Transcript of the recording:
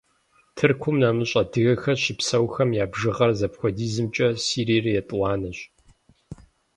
Тыркум нэмыщӀ адыгэхэр щыпсэухэм я бжыгъэр зыхуэдизымкӀэ Сириер етӀуанэщ.